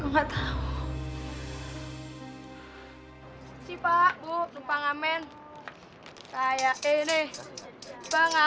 mama juga tidak tahu